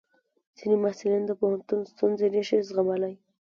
ځینې محصلین د پوهنتون ستونزې نشي زغملی.